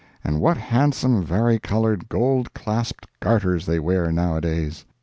And what handsome vari colored, gold clasped garters they wear now a days!